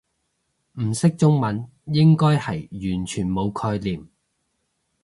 唔識中文應該係完全冇概念